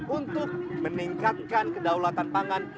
untuk meningkatkan kedaulatan pangan